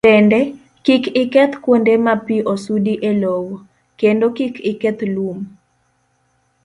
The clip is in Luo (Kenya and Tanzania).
Bende, kik iketh kuonde ma pi osudi e lowo, kendo kik iketh lum.